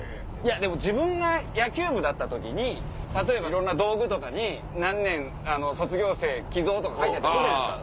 でも自分が野球部だった時に例えばいろんな道具とかに「○○年卒業生寄贈」とか書いてたりするじゃないですか。